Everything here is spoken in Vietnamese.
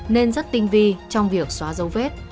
nên rất tinh vi trong việc xóa dấu vết